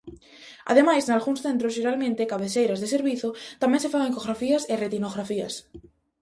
Ademais, nalgúns centros, xeralmente cabeceiras de servizo, tamén se fan ecografías e retinografías.